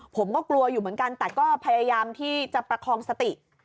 ผมก็กลัวอยู่เหมือนกันแต่ก็พยายามที่จะประคองสติ